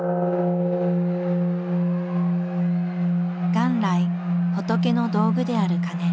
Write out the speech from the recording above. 元来仏の道具である鐘。